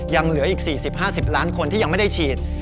ยังเหลืออีก๔๐๕๐ล้านคนที่ยังไม่ได้ฉีด